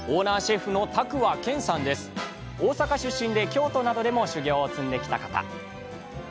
大阪出身で京都などでも修業を積んできた方。